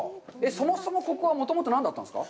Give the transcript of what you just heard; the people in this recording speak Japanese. そもそも、ここは何だったんですか。